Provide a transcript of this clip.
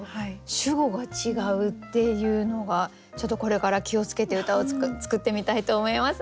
主語が違うっていうのがちょっとこれから気をつけて歌を作ってみたいと思います。